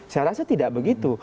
saya rasa tidak begitu